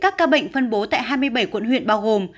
phân bố tại hai mươi bảy quận huyện bao gồm